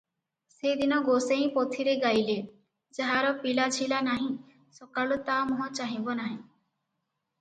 ସେ ଦିନ ଗୋସେଇଁ ପୋଥିରେ ଗାଇଲେ - "ଯାହାର ପିଲାଝିଲା ନାହିଁ, ସକାଳୁ ତା ମୁହଁ ଚାହିଁବ ନାହିଁ ।